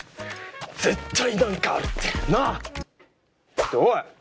絶対何かあるって。なぁ？っておい！